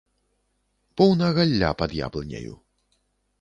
Поўна галля пад яблыняю.